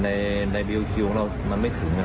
ในวิวคิวของเรามันไม่ถึง